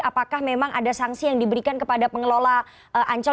apakah memang ada sanksi yang diberikan kepada pengelola ancol